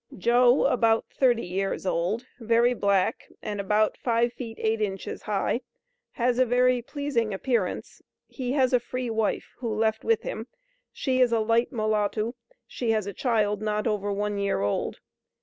Joe, is about 30 years old, very black and about five feet eight inches high, has a very pleasing appearance, he has a free wife who left with him she is a light molatoo, she has a child not over one year old.